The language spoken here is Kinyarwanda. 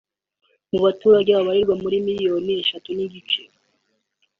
mu baturage babarirwaga muri miliyoni eshatu n’igice